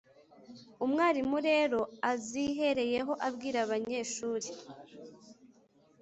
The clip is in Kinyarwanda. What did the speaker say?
Umwarimu rero azihereyeho abwira abanyeshuri